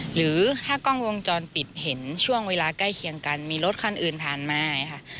หรือถ้ากล้องวงจรปิดเห็นช่วงเวลาใกล้เคียงกันมีรถคันอื่นผ่านมาค่ะ